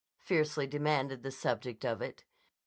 fiercely demanded the subject of it.